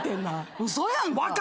嘘やんか。